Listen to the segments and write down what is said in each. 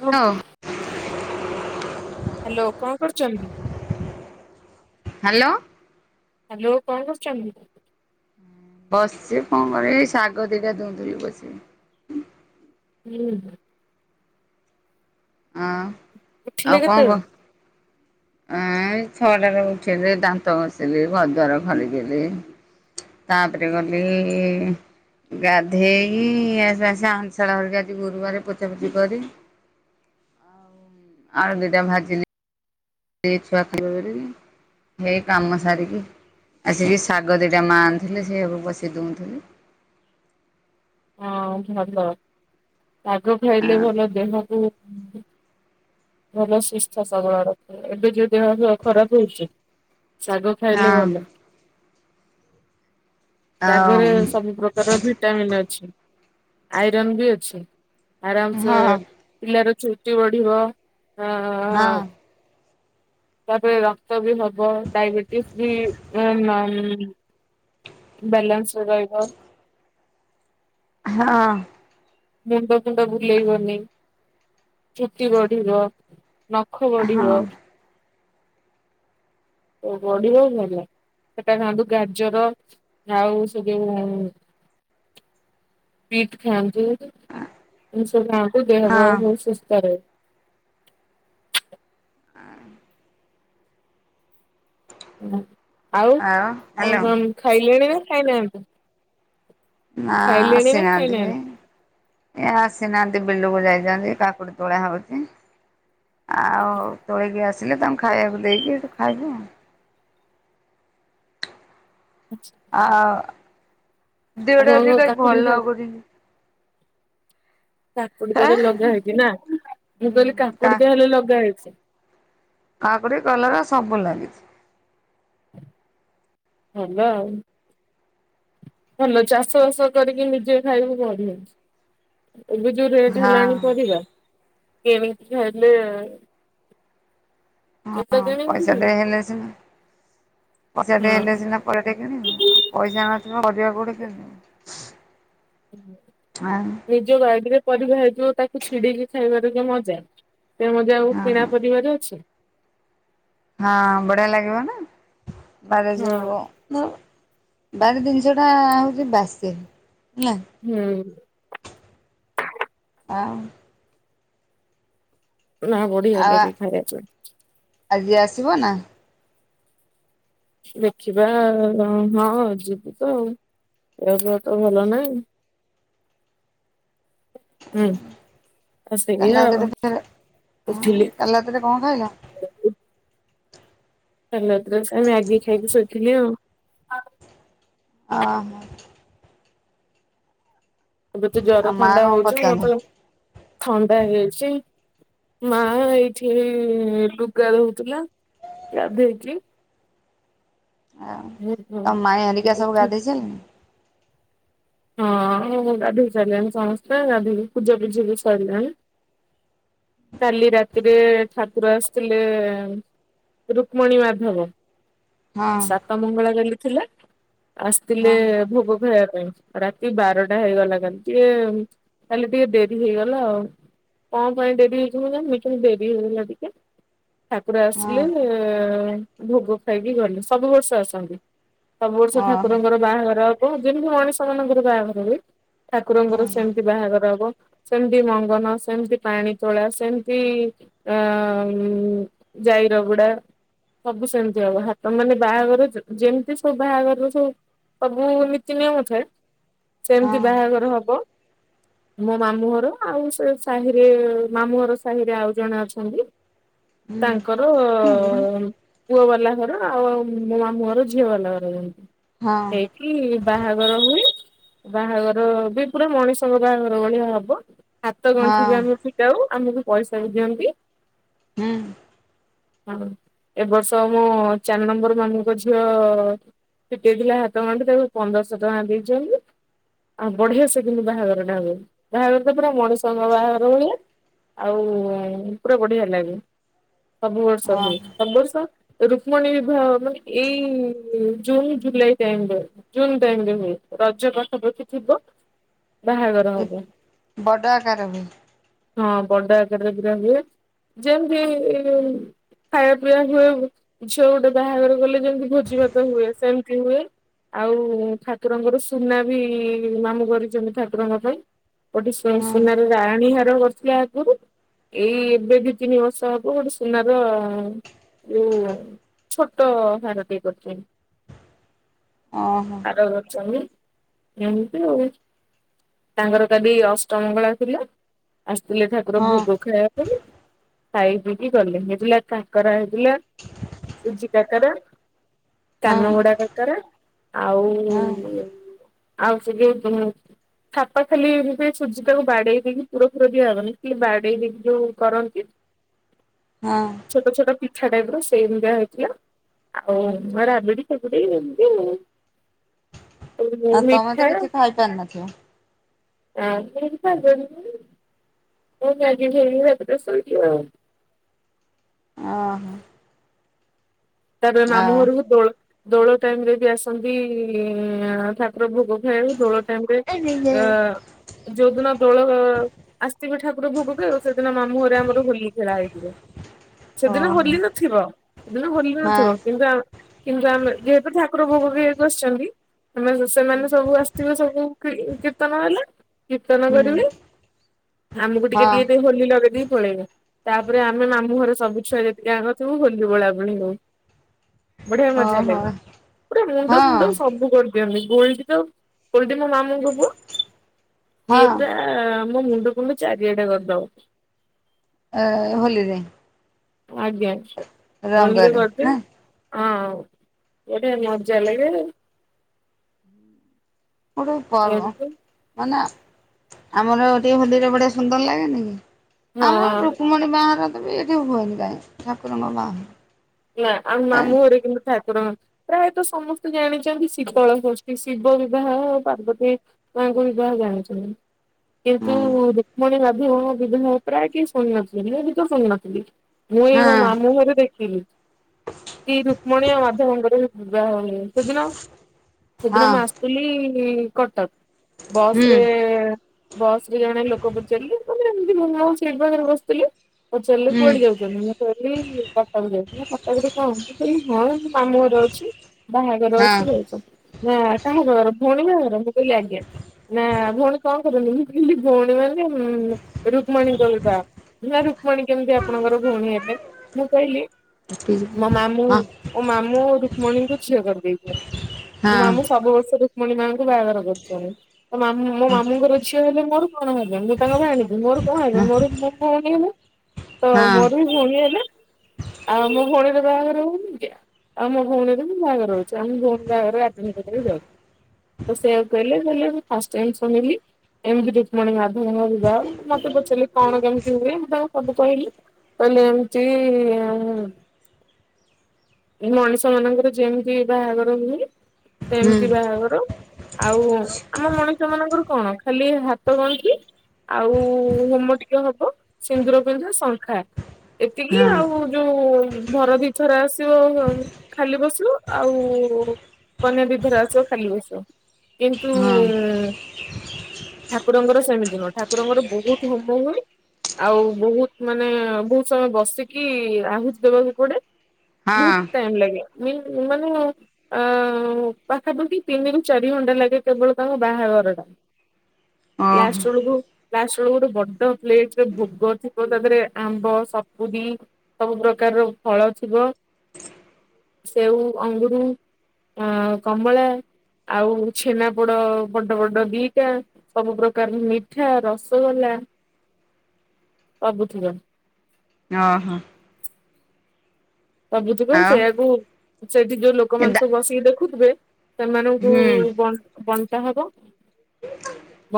Hello. Hello କଣ କରୁଚନ୍ତି? Hello. Hello କଣ କରୁଛନ୍ତି? ବସିଛି କଅଁ କରିବି, ଏଇ ଶାଗ ଦିଇଟା ଧୋଉଁଥିଲି ବସିକି। ହୁଁ ହୁଁ। ଅଁ ଉଠିଲେ ଆଉ କଁଅ କେତେବେଳେ? କହ? ଏଁ-ଏଁ ଏଇ ଛଅଟାରେ ଉଠିଲି, ଦାନ୍ତ ଘଷିଲି, ଘରଦ୍ୱାର ଖଲିକିଲି। ତାପରେ ଗଲି ଗାଧେଇ-ଇ-ଇ-ଇ ଆସି ସାଙ୍ଗେସାଙ୍ଗେ ହାଣ୍ଡିଶାଳ ହେରିକା ଆଜି ଗୁରୁବାର ପୋଛାପୋଛି କରି ଆଳୁ ଦିଟା ଭାଜିିଲି ଇ ଛୁଆ ଖାଇବେ ବୋଲିି। ହେଇ କାମ ସାରିକି ଆସିକି ଶାଗ ଦିଟା ମାଆ ଆଣିଥିଲେ ସେଇୟାକୁ ବସି ଧୋଉଥିଲି। ହଁ ଭଲ, ଶାଗ ଖାଇଲେ ହଁ ଭଲ ଦେହକୁ ଭଲ ସୁସ୍ଥ ସବଳ ରଖେ, ଏବେ ଯୋଉ ଦେହଫିଅ ଖରାପ ହଉଚି। ଶାଗ ଖାଇଲେ ଆଉ ଭଲ। ଶାଗରେ ସବୁ ପ୍ରକାର ଭିଟ୍ ଭିଟାମିନ୍ ଅଛି ଆଇରନ୍ ବି ଅଛି ଆରାମ ସେ ହଁ ପିଲାର ଚୁଟି ବଢିବ ଆଁ ହଁ ତାପରେ ରକ୍ତ ବି ହବ ଡାଇବେଟିସ୍ ବି ଆଁ ନାଇଁ ବାଲାନ୍ସରେ ରହିବ। ହାଁ। ମୁଣ୍ଡ ଫୁଣ୍ଡ ବୁଲେଇବନି ଚୁଟି ବଢିବ। ନଖ ହଁ ବଢିବ ହଁ। ଓ ବଢିବ ଭଲ। ସେଟା ଖାଆନ୍ତୁ ଗାଜର ଆଉ ସେ ଯୋଉ ବିଟ୍ ଖାଆନ୍ତୁ ଏମତି ସବୁ ଖାଆନ୍ତୁ ଦେହ ଫେହ ହଁ ସବୁ ସୁସ୍ଥ ରହିବ। ଆଁ। ଏନା ଆଉ ପୁଣି କଣ ଖାଇଲେଣି ନା ଖାଇନାହାନ୍ତି? ନା ଖାଇଲେଣି ନା ଆସିନାହାନ୍ତି କେହି। ଖାଇନାହାନ୍ତି? ଏ ଆସିନାହାନ୍ତି ବିଲକୁ ଯାଇଛନ୍ତି କାକୁଡ଼ି ତୋଳା ହଉଚି ଆଉ। ତୋଳିକି ଆସିଲେ ତାଙ୍କୁ ଖାଇବାକୁ ଦେଇକି ସେଠୁ ଖାଇବୁ ଆଉ। ଆଚ୍ଛା। ଆ ଦେହଟା ଆପଣଙ୍କ ଆଜି କାଇଁ ଭଲ କାକୁଡି ସବୁ ଲାଗୁନି। କାକୁଡି ଆଁ ତାହେଲେ ଲଗା ହେଇଛି ନା ମୁଁ ହୁଁ। କହିଲି କା କାକୁଡି ତାହେଲେ ଲଗା ହେଇଛି। କାକୁଡି କଲରା ସବୁ ଲାଗିଛି। ଭଲ ଆଉ। ଭଲ ଚାଷ ବାସ କରିକି ନିଜେ ଖାଇବୁ ବଢିଆ। ଏବେ ଯୋଉ ରେଟ ହଁ ହେଲାଣି ପରିବା କିଣିକି ଖାଇଲେ। କେତେ ହଁ କିଣିକି ପଇସାଟେ ହେଲେସିନା ପଇସାଟେ ହଁ ହେଲେସିନା। ପରିବାଟେ କିଣିବୁ ଆଉ ପଇସା ନଥିଲେ ପରିବା କୋଉଠୁ କିଣିବୁ। ହଁ ନିଜ ବାଡିରେ ପରିବା ହେଇଥିବ ତାକୁ ଛିଡେଇକି ଖାଇବାରେ ଯୋଉ ମଜା। ସେ ମଜା ଆଉ ହଁ କିଣା ପରିବାରେ ଅଛି। ହଁ ବଢିଆ ଲାଗିବ ନା ବାରିରେ ହଁ ଯୋଉ। ଆଉ ବାରି ଜିନିଷ ଟା ହଉଛି ବାସେ ହେଲା। ହୁଁ। ଆଉ। ନା ବଢିଆ ଆଉ ଲାଗେ ଖାଇବା ପାଇଁ। ଆଜି ଆସିବ ନା। ଦେଖିବା ଆଉ କଁ ହଁ ଯିବି ତ ଆଉ ଏ ଦେହ ତ ଭଲ ନାହିଁ। ହୁଁ କାଲି ଆସିଲେ ଆଉ ଉଠିଲି। ଏବେ କଁ ଖାଇଲ। କାଲି ରାତିରେ ସେ ମାଗି ଖାଇକି ଶୋଇଥିଲି ଆଉ। ଆହା। ଏବେ ତ ଜର ଆଉ ମା ଥଣ୍ଡା କଣ ହଉଛି ମୋର ତ କରୁଛନ୍ତି ଥଣ୍ଡା ହେଇ‌ଯାଇଛି। ମା ଏଇଠି ଲୁଗା ଧୋଉଥିଲା ଗାଧେଇକି। ଆଉ ତ ମାଇଁ ଘରିକା ସବୁ ଉଠି ଗାଧେଇ ସାଇଲେଣି। ହଁ ଗାଧୋଇି ସାରିଲାଣି ସମସ୍ତେ ଗାଧେଇକି ପୂଜା ପୁଜି ବି ସରିଲାଣି। କାଲି ରାତିରେ ଠାକୁର ଆସିଥିଲେ। ରୁକ୍ମଣୀ ମାଧବ। ହଁ ସାତ ମଙ୍ଗଳା କାଲି ଥିଲା ଆସିଥିଲେ ହଁ ଭୋଗ ଖାଇବା ପାଇଁ। ରାତି ବାରଟା ହେଇଗଲା କାଲି ଟିକେ କାଲି ଟିକେ ଡେରି ହେଇଗଲା ଆଉ। କଁ ପାଇଁ ଡେରି ହେଇଚି ମୁଁ ଜାଣିନି କିନ୍ତୁ ଡେରି ହେଇଗଲା ଟିକେ। ଠାକୁର ଆସିଲେ ହଁ ଭୋଗ ଖାଇକି ଗଲେ ସବୁ ବର୍ଷ ଆସନ୍ତି। ସବୁ ବର୍ଷ ଓହୋ ଠାକୁରଙ୍କର ବାହାଘର ହବ ଯେମିତି ମଣିଷ ମାନଙ୍କର ବାହାଘର ହୁଏ। ଠାକୁରଙ୍କର ହଁ ସେମିତି ବାହାଘର ହବ। ସେମିତି ମଙ୍ଗନ ସେମତି ପାଣି ତୋଳା ସେମିତି। ଆଁ ଉଁ ଯାଇ ରଗୁଡା। ସବୁ ସେମିତି ହବ ହାତ ମାନେ ବାହାଘର ଯେମିତି ସବୁ ବାହାଘର ରେ ସବୁ। ସବୁ ନୀତି ନିୟମ ଥାଏ ହଁ ସେମିତି ବାହାଘର ହବ। ମୋ ମାମୁଁ ଘର ଆଉ ସେ ସାହିରେ ମାମୁଁ ଘର ସାହିରେ ଆଉ ଜଣେ ଅଛନ୍ତି। ତାଙ୍କର। ହୁଁ ପୁଅ ବାଲା ଘର ଆଉ ଆଉ ମୋ ମାମୁଁ ଘର ଝିଅ ବାଲା ଘର ଯେମିତି। ହଁ। କି ବାହାଘର ହୁଏ। ବାହାଘର ବି ପୁରା ମଣିଷଙ୍କ ବାହାଘର ଭଳିଆ ହବ ହାତ ଗଣ୍ଠି ହଁ ବି ଆମେ ଫିଟା ଯଉ ଆମକୁ ପଇସା ବି ଦିଅନ୍ତି। ହୁଁ ହଁ ଏବ ବର୍ଷ ମୋ ଚାରି ନମ୍ବର ମାମୁଁଙ୍କ ଝିଅ ଫିଟେଇଥିଲା ହାତ ଗଣ୍ଠି ତାକୁ ପନ୍ଦରଶହ ଟଙ୍କା ଦେଇଛନ୍ତି। ଆଉ ବଢିଆ ସେ କିନ୍ତୁ ବାହାଘରଟା ହଵ ବାହାଘର ତା ପୁରା ମଣିଷଙ୍କର ବାହାଘର ଭଳିଆ। ଆଉ ପୁରା ବଢିଆ ଲାଗେ ସବୁ ବର୍ଷ ହୁଏ ଓହୋ ସବୁ ବର୍ଷ। ରୁକ୍ମଣୀ ବିିବାହ ହବ ଏଇ ଜୁନ ଜୁଲାଇ ଟାଇମ୍ ବେଳେ। ଜୁନ୍ ଟାଇମରେ ହୁଏ। ରଜ ପାଠ ବଖିଥିବ ବାହାଘର ହବ। ବଡ଼ ଆକାର ହୁଏ ହଁ ବଡ ଏକାଡେମୀରେ ହୁଏ ଯେମିତି ଖାଇବା ପିଇବା ହୁଏ ଝିଅ ଗୋଟେ ବାହାଘର ଗଲେ ଯେମିତି ଭୋଜି ଭାତ ହୁଏ ସେମିତି ହୁଏ। ଆଉ ଠାକୁରଙ୍କର ସୁନା ବି ମାମୁଁ କରିଛନ୍ତି ଠାକୁରଙ୍କ ପାଇଁ କୋଠି ହଁ ସୁନାର ରାଣୀ ହାର କରିଥିଲା ଆଗରୁ ଏଇ ଏବେ ଦି ତିନି ବର୍ଷ ହବ ଗୋଟେ ସୁନାର ଯୋଉ ଛୋଟ ହେରତି କରଛ ଓହୋ ଆଉ ଚା ଏମତି ତାଙ୍କର କାଲି ଅଷ୍ଟମଙ୍ଗଳା ଥିଲା ଆସିଥିଲେ ଠାକୁର ହଁ ଭୋଗ ଖାଇବା ପାଇଁ ଖାଇକକି ଗଲେ ହେଇଥିଲା ତାଙ୍କରା ହେଇ ସୁଜି କାକରା ହଁ କାନ ଗୁଡା କାକରା ଆଉ ହଁ ଆଉ ସେ କେ ଜ ଅଛି ଛପା ଖାଲି ସୁଜି ଟାକୁ ବାଡେଇ ଦେଇକି ପୁରର ଫୁର ଦିଆହବନି କି ବାଡେଇ ଦେଇକି ଯୋଉ କରନ୍ତି [inaudible] ହଁ ଛୋଟ ଛୋଟ ପିଠା ଟାଇପ ର ସେମିଆ ହେଇଥିଲା ଆଉ ଘରା ମିଡ଼ି ଆଉ ତମେ ତ କିଛି ଖାଇପାରିନଥ ଆ ହେପନ ମୁ ଆଜି ହେିବା ଶୋଇ ଆଉ ଓହୋ ତାପରେ ଆ ନାମଘରକୁ ଦୋଳ ଦୋଳ ଟାଇମ ରେ ବି ଆସନ୍ତି ଠାକୁର ଭୋଗ ଖ ଧଳ ଟାଇମରେ ଅ ଯୋଧ ନା ଧୋଳ ଆସିଥିବେ ଠାକୁର ଭୋଗ କିେ ଆଉ ସେଦିନ ମାମୁଁରେ ଆମର ହୋଲି ଖେଳା ହେଇଥିବେ ସେଦିନ ଓହୋ ହୋଲି ନଥିବ ସେଦିନ ହୋଲି ନ ହଁ କିନ୍ତୁ କିନ୍ତୁ ଆମେ ଯେହେତୁ ଠାକୁର ଭୋଗ ବିକୁ ଆସିଛନ୍ତି ଆମେ ସେମାନେ ସବୁ ଆସିଥିବେ ସବୁ କୀର୍ତ୍ତନ ହେଲେ କୀର୍ତ୍ତନ ହୁଁ କରିବି ଆମକୁ ଟିକେ ହଁ ଟିକେ ଟ ହୋଲି ଲଗେଇ ଦେଇକି ପଳେଇବେ ତାପରେ ଆମେ ମାମୁଁ ଘରେ ସବୁ ଛୁଆ ଯେତିକି ଆଙ୍କ ିବୁ ହୋଲି ଭଳା ଭୁ ହୁ ବଢିଆ ମଜା ଓହୋ ଲାଗେ ପୁରା ମୁଣ୍ଡ ହଁ ଫୁଣ୍ଡ ସବୁ କରିଦିଅନ୍ତି ଗୋଲଟି ତ ଗୋଲଟି ମୋ ମାମା ମୁ କବୁ ସିଏ ହଁ ପୁରା ମୋ ମୁଣ୍ଡକୁଣ୍ଡେ ଚାରିଆ ଟା କରିଦଉ ଅ ହୋଲିରେ ଆଜ୍ଞାା ଭଲରେ ରଙ୍ଗରେ କରଛେ ନା ହଁ ଗୋଟେ ମଜା ଲାଗେ। ଗୋଟେ ପର୍ବ ଏମିତି ମାନେ ଆମର ଟିକେ ହୋଲିରେ ବଢ଼ିଆ ସୁନ୍ଦର ଲାଗେନି କି? ହଁ ଆମର ରୁକ୍ମିଣୀ ବାହାଘର ତ ବି ଏଇଠି ହୁଏନି କାହିଁ। ଠାକୁରଙ୍କ ବାହାଘର। ନା ଆମ ଏ ମାମୁଁ ଘରେ କିନ୍ତୁ ଠାକୁରଙ୍କର, ପ୍ରାୟତଃ ସମସ୍ତେ ଜାଣିଛନ୍ତି ଶୀତଳ ଷଷ୍ଠୀ ଶିବ ବିବାହ ପାର୍ବତୀ ମାଆଙ୍କ ବିବାହ ଜାଣିଛନ୍ତି। ହଁ କିନ୍ତୁ ରୁକ୍ମିଣୀ ମାଧିବ ଙ୍କ ବିବାହ ପ୍ରାୟ କେହି ଶୁଣି ନଥିବେ। ମୁଁ ବି ତ ଶୁଣ ନଥିଲି, ମୁଁ ଏ ମୋ ହଁ ମାମୁଁ ଘରେ ଦେଖିଲି। କି ରୁକ୍ମଣୀ ଆଉ ମାଧବଙ୍କର ବିବାହ ହୁଏ। ସେଦିନ ସେଦିନ ହଁ ମୁଁ ଆସି ସୁଥିଲି କଟକ। ବସ୍ ହୁଁ ରେ ବସ ରେ ଜଣେ ଲୋକ ପଚାରିଲେ, ମେ ଏମିତି ମୋ ସିଟ୍ ପାଖରେ ବସିଥିଲେ। ପଚାରିଲେ ହୁଁ କୁଆଡ଼େ ଯାଉଛ? ମୁଁ କହିଲି କଟକ ଯାଉଛି। କଟକରେ କଣ? ମୁଁ କହିଲି ହଁ ମାମୁଁ ଘର ଅଛି। ବାହାଘର ହଁ ଅଛି ଯାଉଛି। ନା କାହା ବାହାଘର ଭଉଣୀ ବାହାଘର ମୁଁ କହିଲି ଆଜ୍ଞା। ନା ଭଉଣୀ କଣ କରନ୍ତି? ମୁଁ କହିଲି ଭଉଣୀ ମାନେ ରୁକ୍ମଣୀଙ୍କ ବିବାହ। ନା ରୁକ୍ମଣୀ କେମିତି ଆପଣଙ୍କର ଭଉଣୀ ହେଲେ? ମୁଁ କହିଲି ହଁ ମୋ ମାମୁଁ ମୋ ମାମୁଁ ରୁକ୍ମଣୀଙ୍କୁ ଝିଅ କରିଦେଇଛନ୍ତି। ମୋ ହଁ ମାମୁଁ ସବୁ ବର୍ଷ ରୁକ୍ମିଣୀମାଙ୍କୁ ବାହାଘର କରୁଛନ୍ତି। ତ ମୋ ହଁ ମାମୁଁଙ୍କର ଝିଅ ହେଲେ ମୋର କଣ ହେବେ, ମୁଁ ତାଙ୍କ ଭାଣିଜୀ ମୋର କଣ ହେବେ, ହଁ ମୋର ଭଉଣୀ ହେବେ। ତ ହଁ ମୋର ବି ଭଉଣୀ ହେଲେ। ଆଉ ମୋ ଭଉଣୀର ବାହାଘର ହଉନି। [unintelligible] ଆଉ ମୋ ଭଉଣୀର ହିଁ ବାହାଘର ହଉଛି। ଆଉ ମୁଁ ମୋ ଭଉଣୀ ବାହାଘର ଆଟେଣ୍ଡ୍ କରିବାକୁ ଯାଉଛି। ତ ସେଇଆକୁ କହିଲେ କହିଲେ ମୁଁ ଫାଷ୍ଟ ଟାଇମ୍ ଶୁଣିଲି ଏମିତି ରୁକ୍ମଣୀ ମାଧବଙ୍କ ବିବାହ। ମତେ ପଚାରିଲେ, ମୁଁ ତାଙ୍କୁ ସବୁ କହିଲି। କହଲେ ଏମିତି ଆଉ ମଣିଷ ମାନଙ୍କର ଯେମିତି ବାହାଘର ହୁଏ, ହୁଁ ସେମତି ବାହାଘର। ଆଉ ଆମ ମଣିଷ ମାନଙ୍କର କଣ? ଖାଲି ହାତ ଗଣ୍ଠି ଆଉ ହୋମ ଟିକେ ହବ, ସିନ୍ଦୁର ପିନ୍ଧା, ଶଙ୍ଖା ଏତିକି ହଁ ଆଉ ଯୋଉ ବର ଦିଇ ଥର ଆସିବ ଖାଲି ବସିବ ଆଉ କନ୍ୟା ଦିଇ ଥର ଆସିବ ଖାଲି ବସିବ। କିନ୍ତୁ ହଁ ଠାକୁରଙ୍କର ସେମିତି ନୁହଁ। ଠାକୁରଙ୍କର ବହୁତ ହୋମ ହୁଏ। ଆଉ ବହୁତ ମାନେ ବହୁତ ସମୟ ବସିକି ଆହୁତି ଦେବାକୁ ପଡେ। ହଁ ବହୁତ ଟାଇମ୍ ଲାଗେ। ଉଇଲ୍ ମାନେ ଆଉ ପାଖା ପାଖି ତିନିରୁ ଚାରି ଘଣ୍ଟା ଲାଗେ କେବଳ ତାଙ୍କ ବାହାଘର ରେ। ଓହୋ ଲାଷ୍ଟ ବେଳକୁ ଲଷ୍ଟ ବେଳକୁ ଗୋଟେ ବଡ଼ ପ୍ଲେଟ ରେ ଭୋଗ ଥିବ। ତା ଦେହରେ ଆମ୍ବ, ସପୁୁରୀ ସବୁ ପ୍ରକାରର ଫଳ ଥିବ, ସେଉ, ଅଙ୍ଗୁରୁ ଆ କମଳା ଆଉ ଛେନାପୋଡ଼ ବଡ଼ ବଡ଼ ଦିଟା। ସବୁ ପ୍ରକାର ମିଠା ରସଗୋଲା ସବୁ ଥିବ। ଓ ହଁ। ସବୁ ଥିବ ଆଉ ସେଇଆକୁ ସେଇଠି ଯୋଉ ଲୋକମାନେ ଏଦା ସବୁ ବସିକି ଦେଖୁଥିବେ ସେମାନଙ୍କୁ ହୁଁ ବଣ୍ଟ ବଣ୍ଟା ହବ।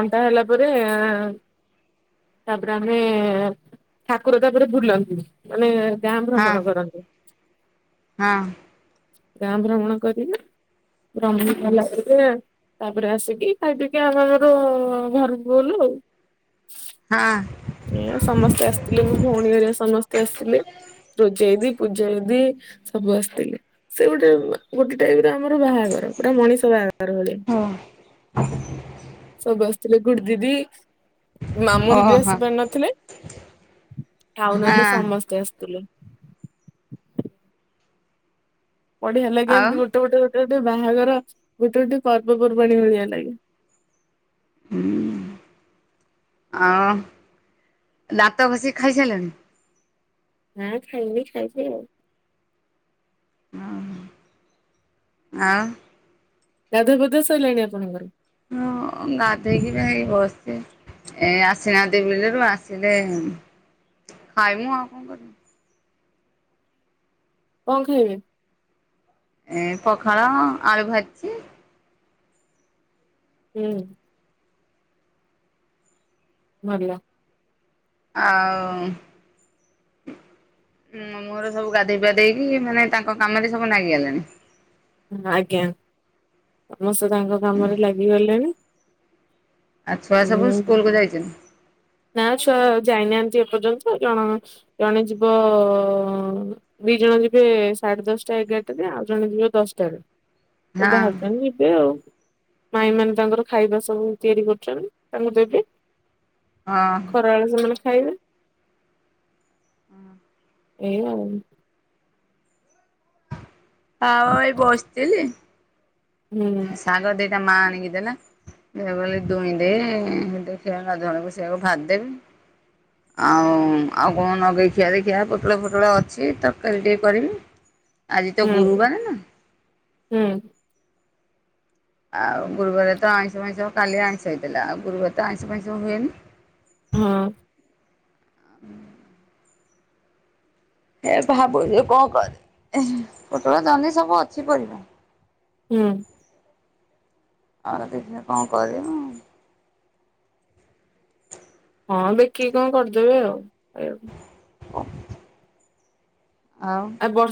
ବଣ୍ଟା ହେଲା ପରେ ଏଁ ତାପରେ ଆମେ ଠାକୁର ତାପରେ ବୁଲନ୍ତି ମାନେ ଗାଁ ହଁ ଭ୍ରମଣ କରନ୍ତି। ହଁ। ଗାଁ ଭ୍ରମଣ କରିବେ। ଭ୍ରମଣ କଲା ପରେ ତାପରେ ଆସିକି ଖାଇପିଇ କି ଆମେ ଆମର ଘରକୁ ଗଲୁ ଆଉ। ହଁ। ଏଇଆ ସମସ୍ତେ ଆସିଥିଲେ ମୋ ଭଉଣୀ ଘରିଆ ସମସ୍ତେ ଆସିଥିଲେ ରୋଜେଇଦି ପୂଜାଇଦି ସବୁ ଆସିତିଲେ ସେ ଗୋଟେ ଉଁ ଗୋଟେ ଟାଇପର ଆମର ବାହାଘର ପୁରା ମଣିଷ ବାହା ଘର ଭଳିଆ ଓ ସବୁ ଆସିଥିଲେ ଗୁଡ୍ ଦିଦି ମାମୁଁ ଦିଦି ଓହୋ ଆସି ପାରିନଥିଲେ ଆଉ ହଁ ନହେଲେ ସମସ୍ତେ ଆସତିଲେ ବଢିଆ ଲାଗେ ଆଉ ଏମତି ଗୋଟେ ଗୋଟେ ଗୋଟେ ଗୋଟେ ବାହାଘର ଗୋଟେ ଗୋଟେ ପର୍ବପର୍ବାଣି ଭଳିଆ ଲାଗେ। ହୁଁ ଆଉ ଦାନ୍ତ ଘଷିକି ଖାଇସାରଲଣି। ହଁ ଖାଇନି ଖାଇବି ଆଉ। ହଁ ଆଉ। ଗାଧୁଆ ପାଧୁଆ ସଇଲାଣି ଆପଣଙ୍କର? ହଁ ଗାଧେଇ କିନା ଏଇ ବସଚି। ଏ ଆସିନାହାନ୍ତି ବିଲୁରୁ ଆସିଲେ ଉଁ ଖାଇମୁ ଆଉ କଁ କରିମୁ। କଁ ଖାଇବେ? ଏଁ ପଖାଳ ଆଳୁ ଭାଜିଚି। ହୁଁ। ଭଲ। ଆଉ ମୁଁ ମୋର ସବୁ ଗାଧେଇ ପିଧେଇକି ମାନେ ତାଙ୍କ କାମେରେ ସବୁ ଲାଗି ଗଲେଣି। ହୁଁ ଆଜ୍ଞା ସମସ୍ତେ ତାଙ୍କ କାମରେ ଲାଗି ଗଲେଣି। ଆଉ ଛୁଆ ସବୁ ସ୍କୁଲକୁ ଯାଇଚନି। ନା ଛୁଆ ଯାଇନାହାନ୍ତି ଏ ପର୍ଯ୍ୟନ୍ତ ଜଣ ଜଣେ ଯିବ ଅଁ ଦି ଜଣ ଯିବେ ସାଢ୍ ଦଶଟା ଏଗାରଟାରେ ଆଉ ଜଣେ ଯିବେ ଦଶଟାରେ। ଏଇ ହଁ ବାହାରୁଛନ୍ତି ଯିବେ ଆଉ ମାଇଁମାନେ ତାଙ୍କର ଖାଇବା ସବୁ ତିଆରି କରୁ ଛନ୍ତି ତାଙ୍କୁ ଦେବେ ହଁ ଖରାବେଳେ ସେମାନେ ଖାଇବେ। ଉଁ ହୁଁ। ଏଇ ଆଉ ଆଉ ଏଇ ବସତିଲି। ହୁଁ। ଶାଗ ଦିଟା ମା ଆଣିକି ଦେଲା। ଦେ ବେଲେ ଦୁଇଁ ଦେ ଦେଖିଆ ଗାଧୁଆକୁ ସେଇଆକୁ ଭା ଦେବି। ଆଉଁ ଆଉଁ କଁ ନଗେଇଖିଆ ଦେଖିଆ ପୋଟଳ ଫୋଟଳ ଅଛି ତରକାରୀ ଟିକେ କରିବି। ଁ ଆଜି ତ ଗୁରୁବାରେ ନା। ହୁଁ। ଆଉ ଗୁରୁବାରେ ତ ଆଇଁଷ ପାଇଁଷ କାଲି ଆଇଁଷ ହେଇତେଲା ଆଉ ଗରୁବାରେ ତ ଆଇଁଷ ଫାଇଁଷ ହୁଏନି। ହଁ। ହେ ଭାବୁଚି କଁ କରି ଏଁ ହେଁ ପୋଟଳ ଜହ୍ନି ସବୁ ଅଛି ପରିବା। ହୁଁ। ଆଉ ଦେଖିଆ କଁ କରିମୁ। ହଁ ଦେଖିକି କଁ କରିଦେବେ ଆଉ ଖାଇବାକୁ। ହ ଆଉ ଆ ବରଷ୍